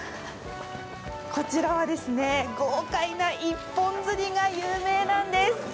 こちらは豪快な一本釣りが有名なんです。